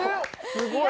すごい！